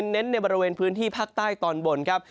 เน้นในบริเวณพื้นที่ภาคใต้ตอนบนครับ